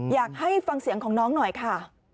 อยากให้ฟังเสียงของน้องหน่อยค่ะ